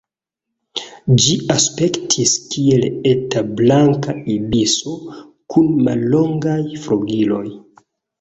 Ĝi aspektis kiel eta Blanka ibiso kun mallongaj flugiloj.